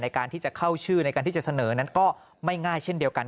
การที่จะเข้าชื่อในการที่จะเสนอนั้นก็ไม่ง่ายเช่นเดียวกัน